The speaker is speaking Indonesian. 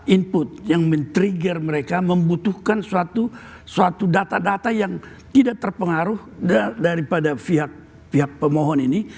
input yang men trigger mereka membutuhkan suatu data data yang tidak terpengaruh daripada pihak pemohon ini